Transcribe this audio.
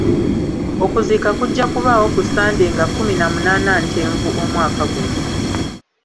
Okuziika kujja kubaawo ku Ssande nga kumi na munaana Ntenvu omwaka guno.